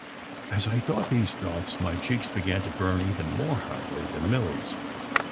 As I thought these thoughts my cheeks began to burn even more hotly than Milly s.